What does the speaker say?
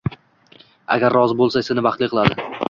Agar rozi bo‘lsa, seni baxtli qiladi.